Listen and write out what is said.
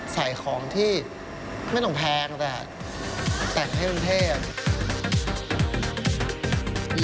ใส่ของที่ไม่ต้องแพงแต่แปลกให้มันเท่าไร